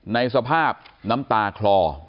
ในสภาพน้ำตาคลอ